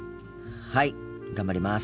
はい頑張ります！